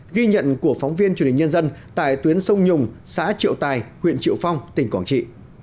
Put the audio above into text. ghi nhận của phóng viên truyền hình nhân dân tại tuyến sông nhùng xã triệu tài huyện triệu phong tỉnh quảng trị